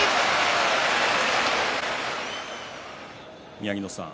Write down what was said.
宮城野さん